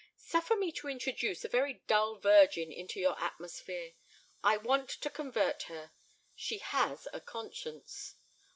"Suffer me to introduce a very dull virgin into your atmosphere. I want to convert her. She has a conscience."